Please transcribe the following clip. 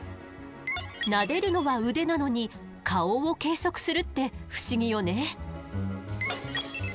なでるのは腕なのに顔を計測するって不思議よね。